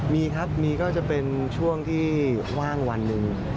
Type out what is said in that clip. มีครับมีก็จะเป็นช่วงที่ว่างวันหนึ่ง